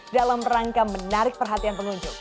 dalam rangka menarik perhatian pengunjung